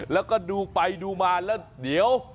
แล้วก็ดูไปดูมาแล้วเดี๋ยว